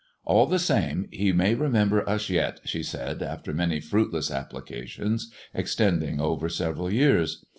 " All the same, he may remember us yet,*' she said, after many fruitless applications, extending over several years.